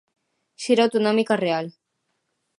Xira autonómica real.